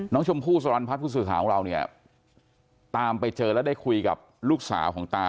น้องชมพู่สรรพัฒน์ผู้สื่อข่าวของเราเนี่ยตามไปเจอแล้วได้คุยกับลูกสาวของตา